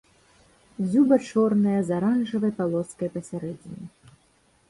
Дзюба чорная з аранжавай палоскай пасярэдзіне.